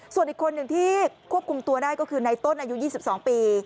ส่วนอีกคนหนึ่งที่ควบคุมตัวได้ก็คือในต้นอายุ๒๒ปี